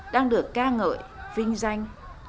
đang được ca ngợi vinh danh